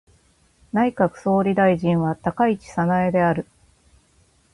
内閣総理大臣は高市早苗である。